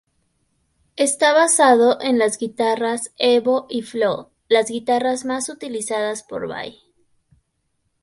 Está basado en las guitarras "Evo" y "Flo", las guitarras más utilizadas por Vai.